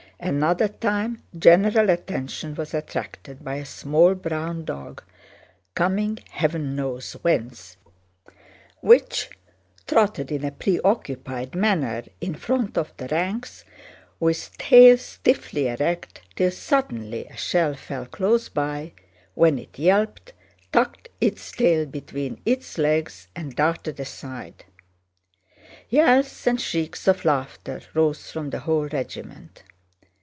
Another time, general attention was attracted by a small brown dog, coming heaven knows whence, which trotted in a preoccupied manner in front of the ranks with tail stiffly erect till suddenly a shell fell close by, when it yelped, tucked its tail between its legs, and darted aside. Yells and shrieks of laughter rose from the whole regiment.